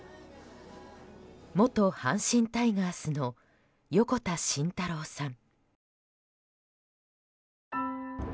元阪神タイガースの横田慎太郎さん。